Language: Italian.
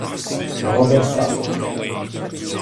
Robert Talbot.